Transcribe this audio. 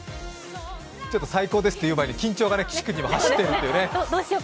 ちょっと最高ですと言う前に緊張が岸君にも走ってるんでね。